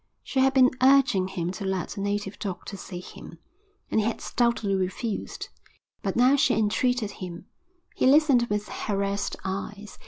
She had been urging him to let a native doctor see him, and he had stoutly refused; but now she entreated him. He listened with harassed eyes.